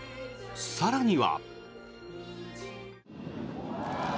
更には。